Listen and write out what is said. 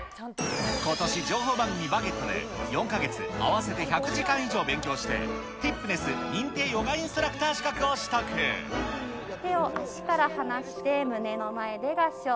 ことし、情報番組バゲットで４か月、合わせて１００時間以上勉強して、ティップネス認定ヨガインストラ手を足から離して胸の前で合掌。